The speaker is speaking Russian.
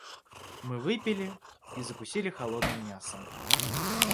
Мы выпили и закусили холодным мясом.